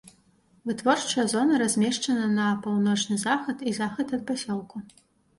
Вытворчая зона размешчаная на паўночны захад і захад ад пасёлку.